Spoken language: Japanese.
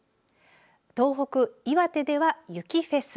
東北、岩手では雪フェス。